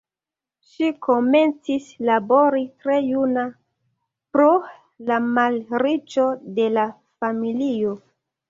Ŝi komencis labori tre juna, pro la malriĉo de la familio.